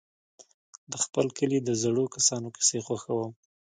زه د خپل کلي د زړو کسانو کيسې خوښوم.